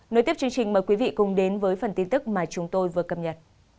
nối tiếp chương trình mời quý vị cùng đến với phần tin tức mà chúng tôi vừa cập nhật